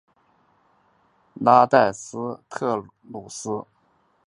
拉代斯特鲁斯。